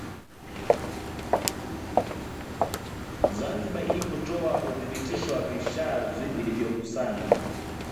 Zanzibar ili kutoa uthibitisho wa vishazi vilivyokusanywa